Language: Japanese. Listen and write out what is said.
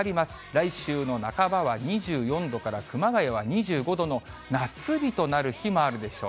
来週の半ばは２４度から熊谷は２５度の夏日となる日もあるでしょう。